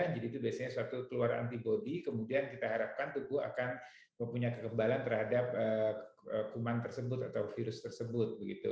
jadi itu biasanya suatu keluar antibodi kemudian kita harapkan tubuh akan mempunyai kekembalan terhadap kuman tersebut atau virus tersebut